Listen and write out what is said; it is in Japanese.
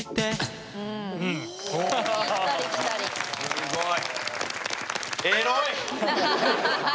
すごい。